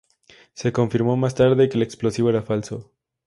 Se confirmó más tarde que el explosivo era falso.